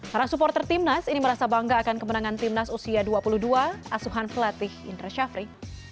para supporter timnas ini merasa bangga akan kemenangan timnas usia dua puluh dua asuhan pelatih indra syafri